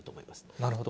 なるほど。